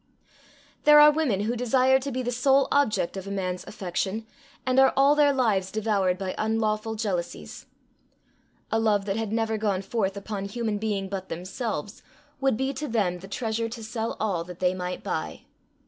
There are women who desire to be the sole object of a man's affection, and are all their lives devoured by unlawful jealousies. A love that had never gone forth upon human being but themselves, would be to them the treasure to sell all that they might buy.